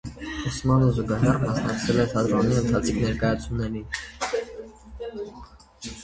Ուսմանը զուգահեռ մասնակցել է թատրոնի ընթացիկ ներկայացումներին։